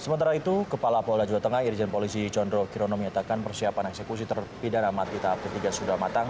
sementara itu kepala polda jawa tengah irjen polisi condro kirono menyatakan persiapan eksekusi terpidana mati tahap ketiga sudah matang